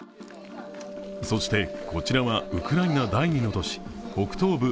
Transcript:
そして、こちらはウクライナ第２の都市北東部